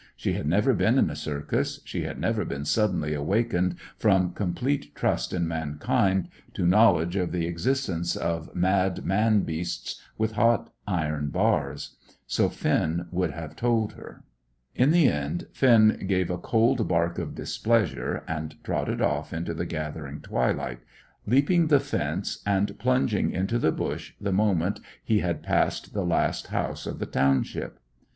She had never been in a circus. She had never been suddenly awakened from complete trust in mankind to knowledge of the existence of mad man beasts with hot iron bars; so Finn would have told her. In the end, Finn gave a cold bark of displeasure and trotted off into the gathering twilight, leaping the fence and plunging into the bush the moment he had passed the last house of the township.